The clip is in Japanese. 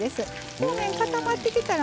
表面固まってきたらね